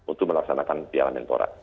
untuk melaksanakan piala menpora